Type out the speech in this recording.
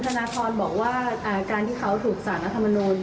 ท่านคะคุณธนทรบอกว่าการที่เขาถูกสั่งรัฐมนูล